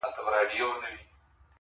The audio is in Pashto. • تر حمام وروسته مي ډېر ضروري کار دی -